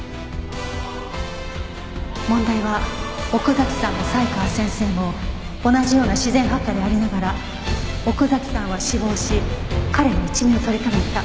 問題は奥崎さんも才川先生も同じような自然発火でありながら奥崎さんは死亡し彼は一命を取り留めた。